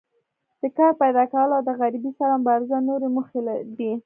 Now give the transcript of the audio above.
د کار پیداکول او د غریبۍ سره مبارزه نورې موخې دي.